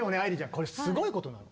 これすごいことなの。